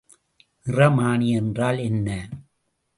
நிறமானி என்றால் என்ன?